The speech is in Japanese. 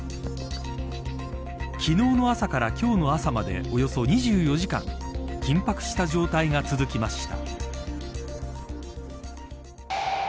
昨日の朝から今日の朝までおよそ２４時間緊迫した状態が続きました。